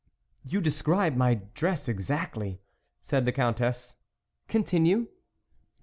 " You describe my dress exactly," said the Countess, " continue."